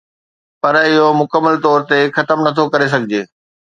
پر اهو مڪمل طور تي ختم نٿو ڪري سگهجي